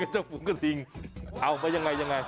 เจ้าฝูงกระทิงเอาไปยังไงยังไง